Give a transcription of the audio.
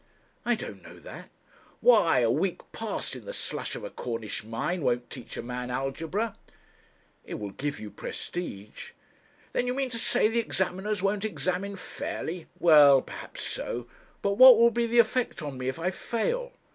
'I don't know that.' 'Why a week passed in the slush of a Cornish mine won't teach a man algebra.' 'It will give you prestige.' 'Then you mean to say the examiners won't examine fairly; well, perhaps so. But what will be the effect on me if I fail?